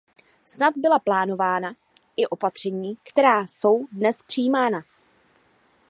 Snad byla plánována i opatření, která jsou dnes přijímána.